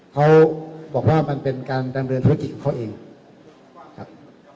เขาบอกว่ามันเป็นการดำเนินธุรกิจของเขาเองครับ